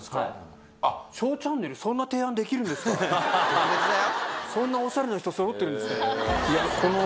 特別だよ。